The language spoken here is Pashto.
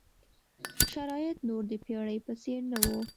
شرایط نور د پېړۍ په څېر نه وو.